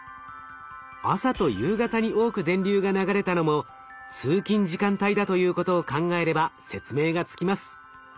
朝と夕方に多く電流が流れたのも通勤時間帯だということを考えれば説明がつきます。